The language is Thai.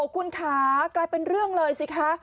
คุณค่ะกลายเป็นเรื่องเลยสิคะ